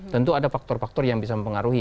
tentu ada faktor faktor yang bisa mempengaruhi